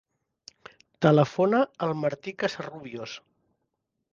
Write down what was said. Telefona al Martí Casarrubios.